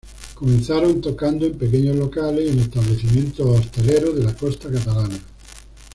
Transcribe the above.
Comenzaron tocando en pequeños locales y en establecimientos hosteleros de la costa catalana.